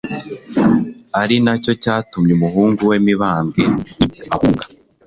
ari nacyo cyatumye umuhungu we Mibambwe I ahunga.